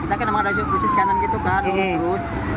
kita kan emang ada krisis kanan gitu kan terus